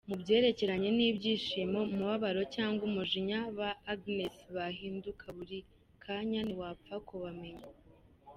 Mu byerekeranye n’ibyishimo, umubabaro cyangwa umujinya ba Agnes bahinduka buri kanya ntiwapfa kubamenya.